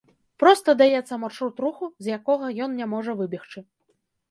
Проста даецца маршрут руху, з якога ён не можа выбегчы.